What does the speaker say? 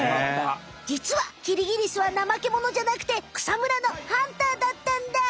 じつはキリギリスはなまけものじゃなくて草むらのハンターだったんだ。